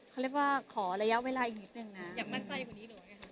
เขาเรียกว่าขอระยะเวลาอีกนิดนึงนะ